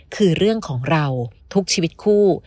คือเรื่องของเราทุกชีวิตคู่